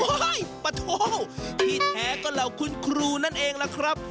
โอ้โหปะโถที่แท้ก็เหล่าคุณครูนั่นเองล่ะครับ